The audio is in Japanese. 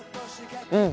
うん！